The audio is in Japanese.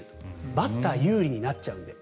バッター有利になっちゃうので。